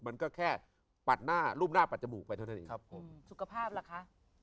มันก็แค่ปัดหน้ารูปหน้าปัดจมูกไปเท่านั้นเองครับผมสุขภาพล่ะคะ